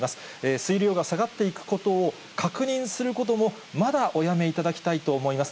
水量が下がっていくことを確認することもまだおやめいただきたいと思います。